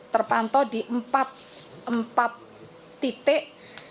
terpantau di empat titik